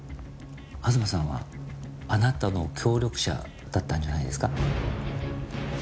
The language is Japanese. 東さんはあなたの協力者だったんじゃないですか？